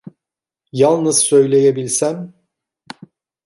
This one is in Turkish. Yalnız söyleyebilsem.